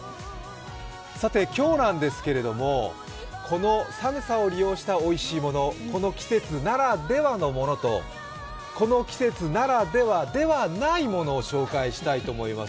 さて、今日なんですけれども、この寒さを利用したおいしいもの、この季節ならではのものとこの季節ならではではないものを紹介したいと思います。